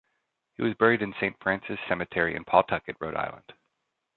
He was buried in Saint Francis Cemetery in Pawtucket, Rhode Island.